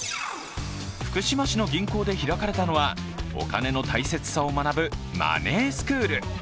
福島市の銀行で開かれたのはお金の大切さを学ぶマネースクール。